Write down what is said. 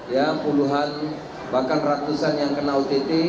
ya puluhan bahkan ratusan yang kena ott